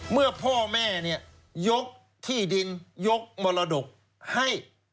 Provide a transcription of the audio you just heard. เมื่อพ่อแม่เนี่ยยกที่ดินยกมรดกให้